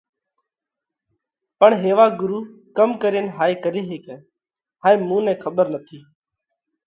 پڻ هيوا ڳرُو ڪم ڪرينَ هائي ڪري هيڪئه هائي مُون نئہ کٻر نٿِي۔